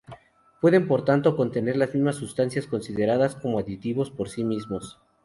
Pueden por tanto, contener las mismas sustancias consideradas como aditivos por sí mismos.